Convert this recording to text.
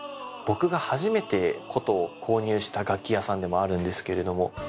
僕が初めて筝を購入した楽器屋さんでもあるんですけれども。